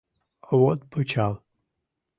Вот пычал